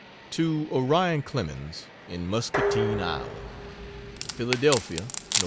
To Orion Clemens, in Muscatine, Iowa: PHILADELPHIA, Nov.